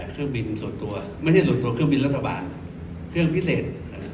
เครื่องบินส่วนตัวไม่ใช่ส่วนตัวเครื่องบินรัฐบาลเครื่องพิเศษ